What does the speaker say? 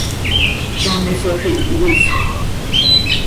z an hisoj ihyisxö.